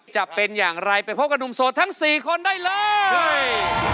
จะเป็นอย่างไรไปพบกับหนุ่มโสดทั้ง๔คนได้เลย